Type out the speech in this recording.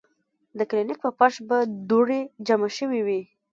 د کلینک پۀ فرش به دوړې جمع شوې وې ـ